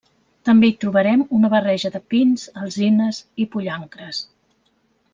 També hi trobarem una barreja de pins, alzines i pollancres.